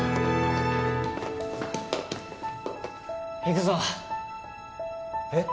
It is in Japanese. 行くぞえっ？